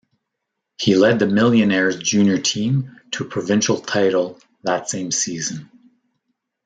He led the Millionaires' junior team to a provincial title that same season.